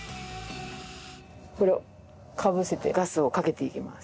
これをかぶせてガスをかけていきます。